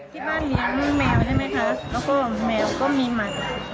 ที่บ้านเลี้ยงแมวใช่ไหมคะแล้วก็แมวก็มีหมัด